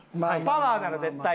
パワーなら絶対。